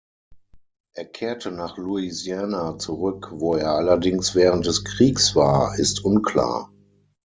Er kehrte nach Louisiana zurück; wo er allerdings während des Kriegs war, ist unklar.